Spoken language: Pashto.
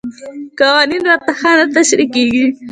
قوانین ورته ښه نه تشریح کېږي.